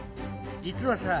実はさ